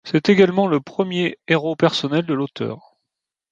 C'est également le premier héros personnel de l'auteur.